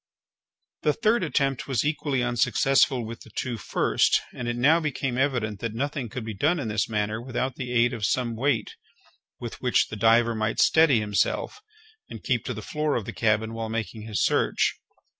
The third attempt was equally unsuccessful with the two first, and it now became evident that nothing could be done in this manner without the aid of some weight with which the diver might steady himself, and keep to the floor of the cabin while making his search.